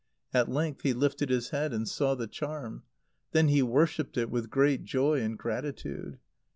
At length he lifted his head and saw the charm. Then he worshipped it with great joy and gratitude.